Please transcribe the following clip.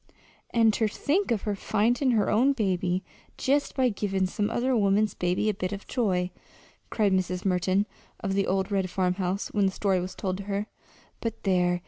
"An' ter think of her findin' her own baby jest by givin' some other woman's baby a bit of joy!" cried Mrs. Merton of the old red farmhouse, when the story was told to her. "But, there!